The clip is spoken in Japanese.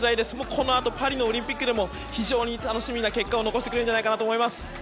このあとパリのオリンピックでも非常に楽しみな結果を残してくれると思います。